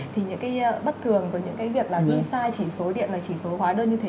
thì những cái bất thường và những cái việc là đi sai chỉ số điện là chỉ số hóa đơn như thế